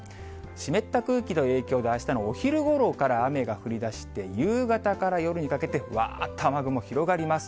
湿った空気の影響で、あしたのお昼ごろから雨が降りだして、夕方から夜にかけて、わーっと雨雲広がります。